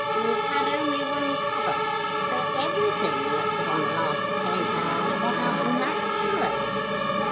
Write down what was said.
It had only one cover, so everything that was on the last page got out naturally.